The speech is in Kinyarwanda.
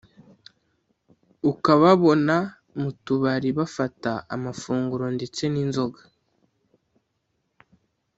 ukababona mu tubari bafata amafunguro ndetse n’ inzoga